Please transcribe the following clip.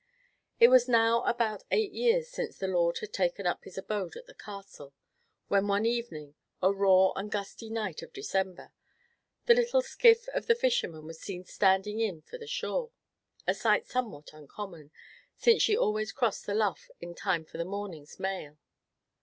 It was now about eight years since "the lord" had taken up his abode at the Castle, when one evening, a raw and gusty night of December, the little skiff of the fisherman was seen standing in for shore, a sight somewhat uncommon, since she always crossed the "Lough" in time for the morning's mail.